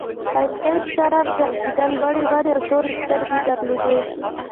ښایسته انسانان گرځېدل لوړې ونې او تورې سترګې درلودې.